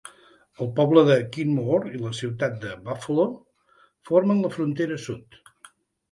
El poble de Kenmore i la ciutat de Buffalo formen la frontera sud.